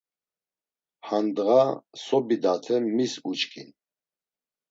Han ndğa so bidaten mis uçkin?